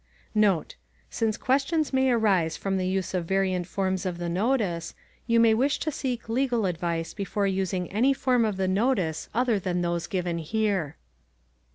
NOTE: Since questions may arise from the use of variant forms of the notice, you may wish to seek legal advice before using any form of the notice other than those given here.